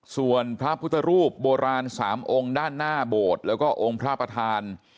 ส่วนพระพุทธรูปโบราณ๓องค์ด้านหน้าโบสถ์แล้วก็องค์พระประธาน